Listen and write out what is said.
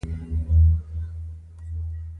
یو بل شاژور مې ورته بسته کړ، دوهم سر پړکمشر د وېشتلو.